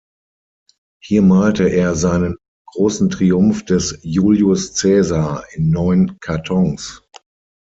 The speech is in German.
Hier malte er seinen "Großen Triumph des Julius Cäsar" in neun Kartons.